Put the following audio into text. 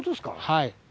はい。